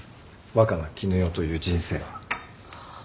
若菜絹代という人生は。